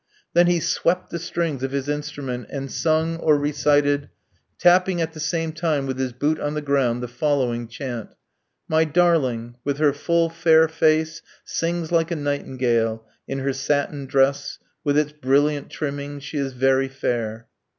Then he swept the strings of his instrument, and sung, or recited, tapping at the same time with his boot on the ground, the following chant: My darling! With her full, fair face, Sings like a nightingale; In her satin dress, With its brilliant trimming, She is very fair.